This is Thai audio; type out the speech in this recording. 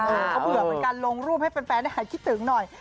ก็เบื่อเหมือนกันลงรูปให้แฟนได้หายคิดถึงหน่อย